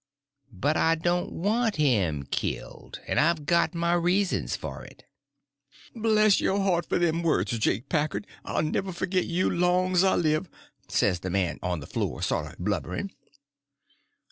"But I don't want him killed, and I've got my reasons for it." "Bless yo' heart for them words, Jake Packard! I'll never forgit you long's I live!" says the man on the floor, sort of blubbering.